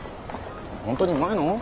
ホントにうまいの？